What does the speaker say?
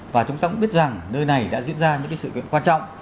và chúng ta cũng biết rằng nơi này đã diễn ra những sự kiện quan trọng